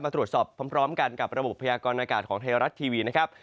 ตรวจสอบพร้อมกันกับระบบพยากรณากาศของไทยรัฐทีวีนะครับ